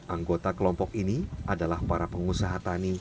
anggota kelompok ini adalah para petani